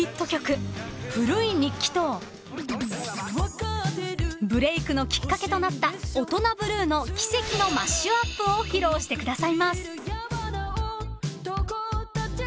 『古い日記』とブレークのきっかけとなった『オトナブルー』の奇跡のマッシュアップを披露してくださいます］